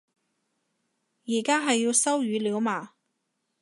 而家係要收語料嘛